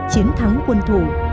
chiến thắng quân thủ